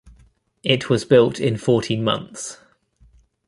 It was built in fourteen months.